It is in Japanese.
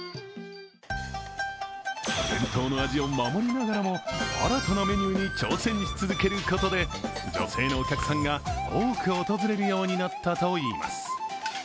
伝統の味を守りながらも、新たなメニューに挑戦し続けることで女性のお客さんが多く訪れるようになったといいます。